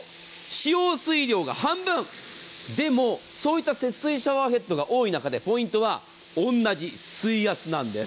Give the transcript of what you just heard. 使用水量が半分、でも、そういった節水シャワーヘッドが多い中で多い中でポイントは、同じ水圧なんです。